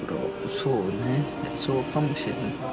そうねそうかもしれない。